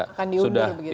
akan diundur begitu